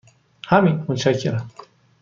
همین، متشکرم.